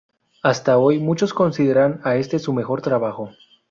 Hasta hoy, muchos consideran a este su mejor trabajo.